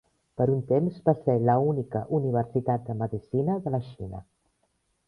Per un temps va ser la única universitat de medicina de la Xina.